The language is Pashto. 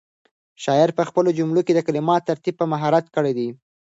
شاعر په خپلو جملو کې د کلماتو ترتیب په مهارت کړی دی.